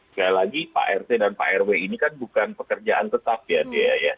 sekali lagi pak rt dan pak rw ini kan bukan pekerjaan tetap ya dia ya